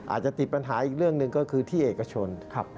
อาจจะติดปัญหาอีกเรื่องหนึ่งก็คือที่เอกชน